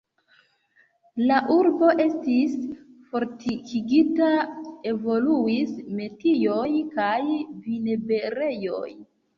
La urbo estis fortikigita, evoluis metioj kaj vinberejoj.